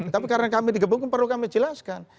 tapi karena kami digebuk perlu kami jelaskan